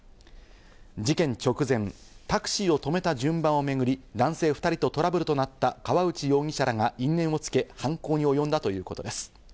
事件直前、タクシーを止めた順番をめぐり男性２人とトラブルとなった河内容疑者らが因縁をつけ、犯行におよんだということです。